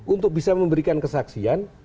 untuk bisa memberikan kesaksian